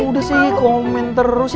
udah sih komen terus